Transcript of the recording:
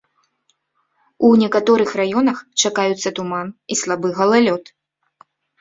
У некаторых раёнах чакаюцца туман і слабы галалёд.